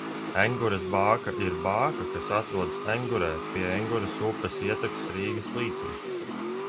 Engures bāka ir bāka, kas atrodas Engurē pie Engures upes ietekas Rīgas līcī.